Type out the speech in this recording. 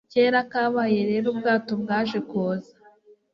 Kera kabaye rero ubwato bwaje kuza